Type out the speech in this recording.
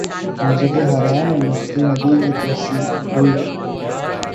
مسجد حرام اور مسجد نبوی کی توسیع ہوئی